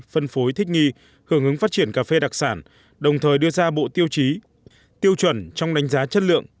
phân phối thích nghi hưởng ứng phát triển cà phê đặc sản đồng thời đưa ra bộ tiêu chí tiêu chuẩn trong đánh giá chất lượng